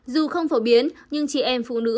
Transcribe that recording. dù không phổ biến nhưng chị em phụ nữ